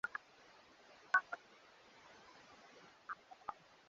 unafikiria sasa wataitikia wito huo wa imf